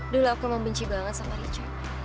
dulu aku memang benci banget sama richard